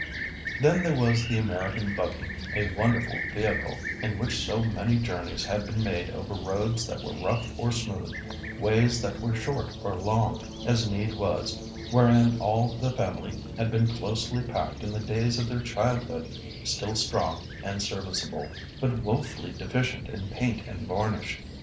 Then there was the American buggy, a wonderful vehicle, in which so many journeys had been made over roads that were rough or smooth, ways that were short or long, as need was, wherein all the family had been closely packed in the days of their childhood, still strong and serviceable, but woefully deficient in paint and varnish.